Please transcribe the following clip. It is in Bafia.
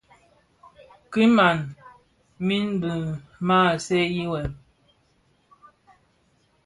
Kidhaň min bi maa seňi wêm.